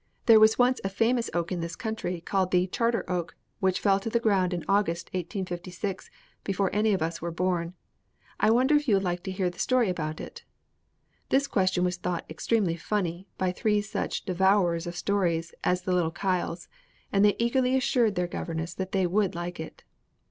There was once a famous oak in this country, called the 'Charter Oak,' which fell to the ground in August, 1856, before any of us were born. I wonder if you would like to hear the story about it?" This question was thought extremely funny by three such devourers of stories as the little Kyles, and they eagerly assured their governess that they would like it.